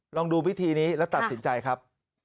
ลองดูวิธีนี้แล้วตัดสินใจครับ